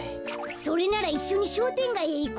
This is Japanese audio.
それならいっしょにしょうてんがいへいこうよ。